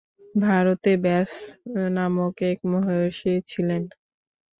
ভারতে ব্যাস-নামক এক মহর্ষি ছিলেন।